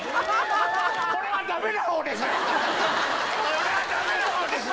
これはダメなほうです